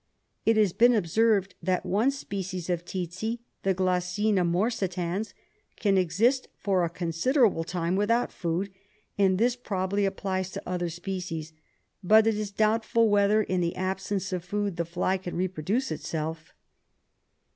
It has been observed that one species of tsetse, the Glossina morsitans, can exist for a considerable time without food, and this probably applies to other species, but it is doubtful whether, in the absence of food, the fly can reproduce itself.